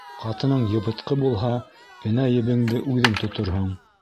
Ҡатының йыбытҡы булһа, энә-ебеңде үҙең тоторһоң.